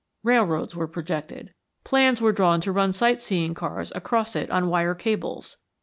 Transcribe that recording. Railroads were projected. Plans were drawn to run sightseeing cars across it on wire cables.